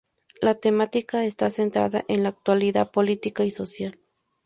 La temática está centrada en la actualidad política y social.